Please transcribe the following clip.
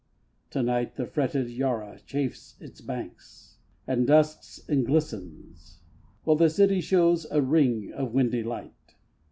To night the fretted Yarra chafes its banks, And dusks and glistens; while the city shows A ring of windy light.